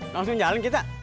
langsung jalan kita